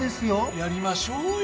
やりましょうよ！